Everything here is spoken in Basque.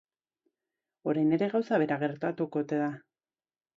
Orain ere gauza bera gertatuko ote da?